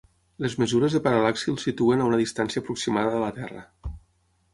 Les mesures de paral·laxi el situen a una distància aproximada de la Terra.